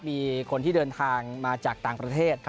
มีคนที่เดินทางมาจากต่างประเทศ